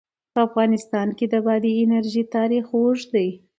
په افغانستان کې د بادي انرژي تاریخ اوږد دی.